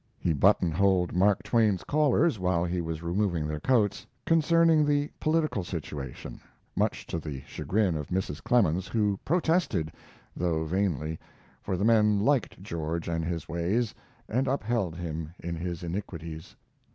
He buttonholed Mark Twain's callers while he was removing their coats concerning the political situation, much to the chagrin of Mrs. Clemens, who protested, though vainly, for the men liked George and his ways, and upheld him in his iniquities.